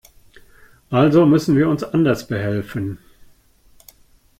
Also müssen wir uns anders behelfen.